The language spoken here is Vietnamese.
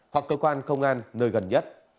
hoặc cơ quan công an nơi gần nhất